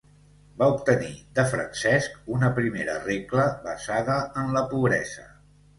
Va obtenir de Francesc una primera regla basada en la pobresa.